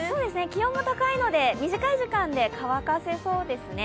気温も高いので短い時間で乾かせそうですね。